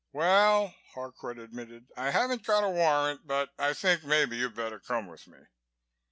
"Well," Harcourt admitted, "I haven't got a warrant but I think maybe you better come with me."